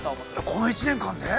◆この１年間で？